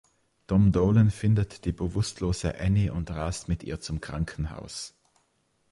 Tom Dolan findet die bewusstlose Annie und rast mit ihr zum Krankenhaus.